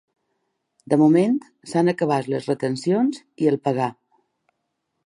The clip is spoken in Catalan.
De moment s'han acabat les retencions i el pagar.